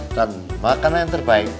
dan makanan terbaik